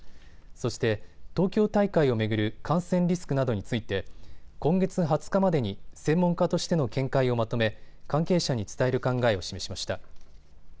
そして、東京大会を巡る感染リスクなどについて今月２０日までに専門家としての見解をまとめ、関係者に伝える考えを示しました。